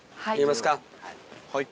はい。